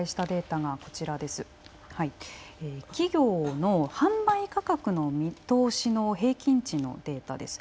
企業の販売価格の見通しの平均値のデータです。